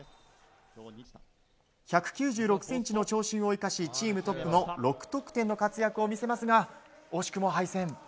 １９６ｃｍの長身を生かしチームトップの６得点の活躍を見せますが惜しくも敗戦。